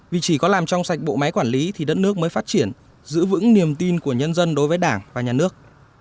vì chỉ có làm trong sạch bộ máy quản lý thì đất nước mới phát triển giữ vững niềm tin của nhân dân đối với đảng và nhà nước